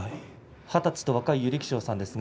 二十歳と若い優力勝さんですね